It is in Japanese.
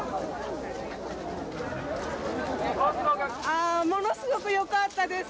あものすごくよかったです。